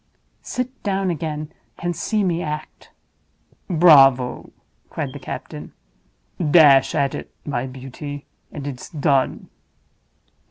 Sit down again and see me act." "Bravo!" cried the captain. "Dash at it, my beauty—and it's done!"